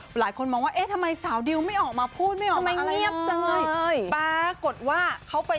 หลายคนมองว่าเอ๊ะทำไมสาวดิวไม่ออกมาพูดไม่ออกมาอะไร